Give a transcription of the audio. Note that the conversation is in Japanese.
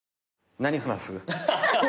何話す？